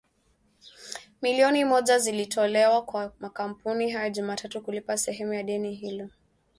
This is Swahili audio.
milioni moja zilitolewa kwa makampuni hayo Jumatatu kulipa sehemu ya deni hilo